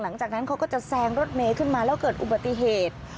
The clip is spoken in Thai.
หลังจากนั้นเขาก็จะแซงรถเมย์ขึ้นมาแล้วเกิดอุบัติเหตุ